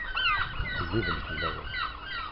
Ttqelliben fell-awen.